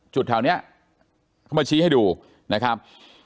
จุดแถวนี้เขามาชี้ให้ดูนะครับ